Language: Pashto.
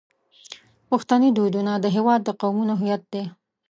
پښتني دودونه د هیواد د قومونو هویت دی.